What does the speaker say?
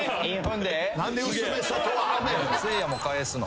せいやも返すの？